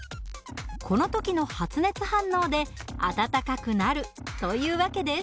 この時の発熱反応で温かくなるという訳です。